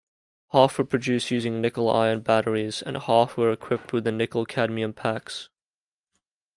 Half were produced using nickel-iron batteries and half were equipped with the nickel-cadmium packs.